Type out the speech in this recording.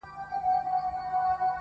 د څپو غېږته قسمت وو غورځولی٫